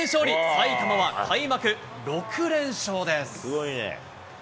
埼玉は開幕６連勝です。